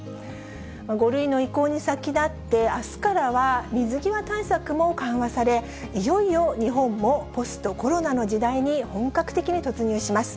５類の移行に先立って、あすからは水際対策も緩和され、いよいよ日本もポストコロナの時代に本格的に突入します。